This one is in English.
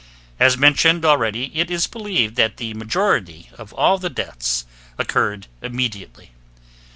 As mentioned already, it is believed that the majority of all the deaths occurred immediately.